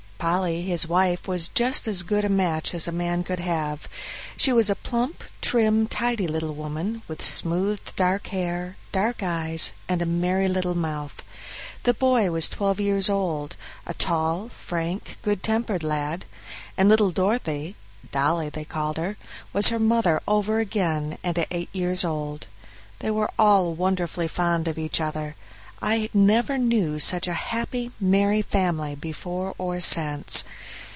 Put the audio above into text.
Polly, his wife, was just as good a match as a man could have. She was a plump, trim, tidy little woman, with smooth, dark hair, dark eyes, and a merry little mouth. The boy was twelve years old, a tall, frank, good tempered lad; and little Dorothy (Dolly they called her) was her mother over again, at eight years old. They were all wonderfully fond of each other; I never knew such a happy, merry family before or since.